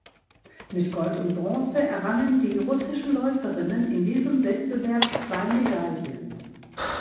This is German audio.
Mit Gold und Bronze errangen die russischen Läuferinnen in diesem Wettbewerb zwei Medaillen.